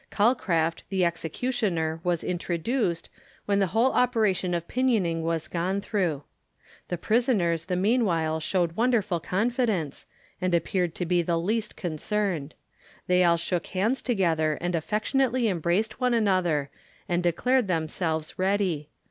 Calcraft, the executioner, was introduced, when the operation of pinioning was gone through. The prisoners the meanwhile showed wonderful confidence, and appeared to be the least concerned. They all shook hands together and affectionately embraced one another, and declared themselves ready.